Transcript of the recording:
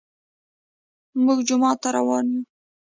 موږ جومات ته روان يو